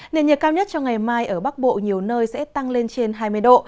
nền nhiệt cao nhất cho ngày mai ở bắc bộ nhiều nơi sẽ tăng lên trên hai mươi độ